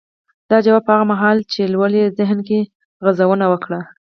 دا ځواب به هغه مهال چې لولئ يې ذهن کې غځونې وکړي.